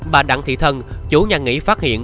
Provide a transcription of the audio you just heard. bà đặng thị thân chủ nhà nghị phát hiện